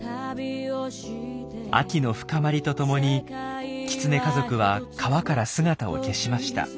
秋の深まりとともにキツネ家族は川から姿を消しました。